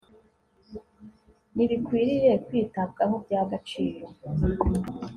nibikwiriye kwitabwaho bya gaciro